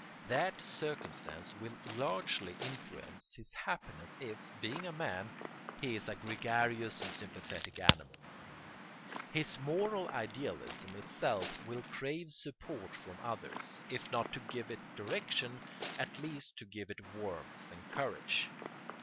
That circumstance will largely influence his happiness if, being a man, he is a gregarious and sympathetic animal. His moral idealism itself will crave support from others, if not to give it direction, at least to give it warmth and courage.